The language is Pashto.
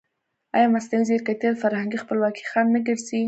ایا مصنوعي ځیرکتیا د فرهنګي خپلواکۍ خنډ نه ګرځي؟